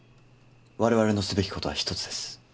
われわれのすべきことは一つです。